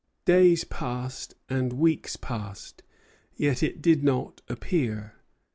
Days passed and weeks passed, yet it did not appear.